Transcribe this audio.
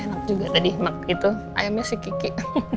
ya enak juga tadi waktu itu ayamnya si kiki